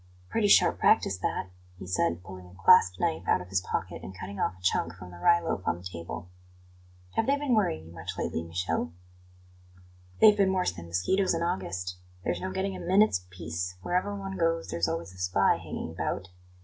"Pretty sharp practice that," he said, pulling a clasp knife out of his pocket and cutting off a chunk from the rye loaf on the table. "Have they been worrying you much lately, Michele?" "They've been worse than mosquitos in August. There's no getting a minute's peace; wherever one goes, there's always a spy hanging about.